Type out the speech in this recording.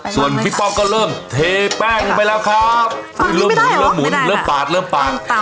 ส่วนพี่ป้องก็เริ่มเทแป้งลงไปแล้วครับเริ่มหุนเริ่มหมุนเริ่มปาดเริ่มปาก